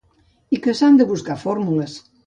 I que s’han de buscar fórmules.